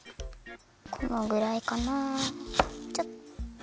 このぐらいかなあちょっと。